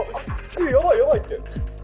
えっやばいやばいって」